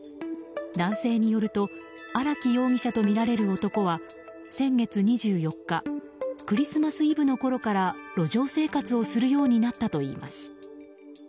男性によると荒木容疑者とみられる男は先月２４日クリスマスイブのころから路上生活をするようになったといいます。